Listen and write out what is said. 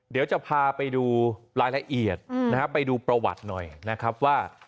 เดี๋ยวจะพาไปดูรายละเอียดนะครับไปดูประวัติหน่อยนะครับว่า